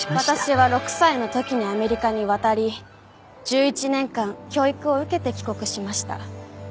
私は６歳の時にアメリカに渡り１１年間教育を受けて帰国しました。